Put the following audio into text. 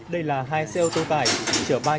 đây là hai xe ô tô tải